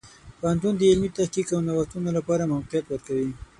پوهنتون د علمي تحقیق او نوښتونو لپاره موقعیت ورکوي.